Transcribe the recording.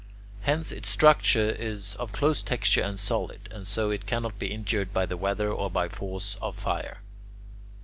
Hence its structure is of close texture and solid, and so it cannot be injured by the weather or by the force of fire.